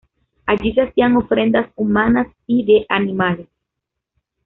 Allí se hacían ofrendas humanas y de animales.